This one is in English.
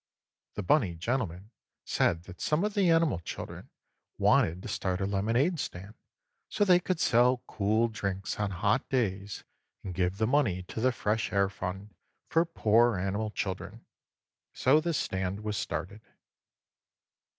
The bunny gentleman said that some of the animal children wanted to start a lemonade stand, so they could sell cool drinks on hot days and give the money to the Fresh Air Fund for Poor Animal Children. So the stand was started.